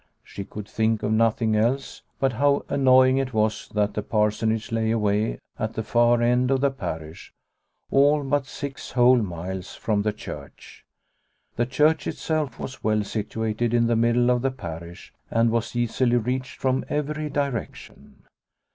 She could think of nothing else, but how annoying it was that the Parsonage lay away at the far end of the parish, all but six whole miles from the church. The church itself was well situated in the middle of the parish, and was easily reached from every direction.